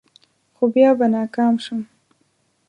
خو بیا به ناکام شوم.